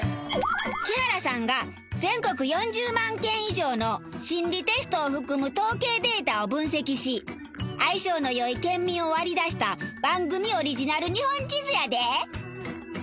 木原さんが全国４０万件以上の心理テストを含む統計データを分析し相性の良い県民を割り出した番組オリジナル日本地図やで！